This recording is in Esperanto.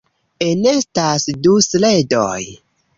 Enestas du sledoj.